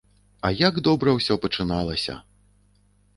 А як добра ўсё пачыналася!